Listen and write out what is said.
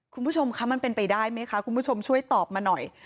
คุณผู้ชมคะมันเป็นไปได้ไหมคะคุณผู้ชมช่วยตอบมาหน่อย